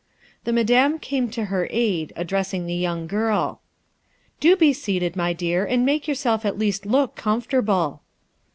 The Madame came to her aid, addressing the young girl. "Do be seated, ray dear, and make yourself at least look comfortable."